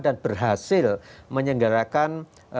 dan berhasil menyenggarakan